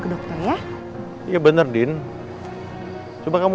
aku yakin pak